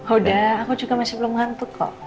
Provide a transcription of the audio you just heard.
udah aku juga masih belum ngantuk kok